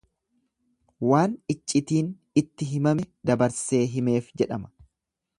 Waan iccitiin itti himame dabarsee himeef jedhama.